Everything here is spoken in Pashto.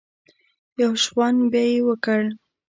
يو شخوند به يې وکړ.